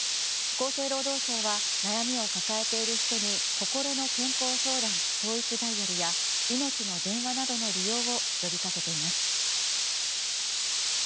厚生労働省は悩みを抱えている人にこころの健康相談統一ダイヤルやいのちの電話などの利用を呼びかけています。